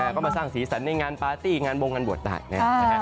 ก็มาสร้างศีรษัทในงานปาร์ตี้งานโบงกันบวชต่าง